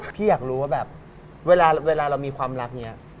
พี่อยากรู้ว่าแบบเวลาเรามีความรักอย่างนี้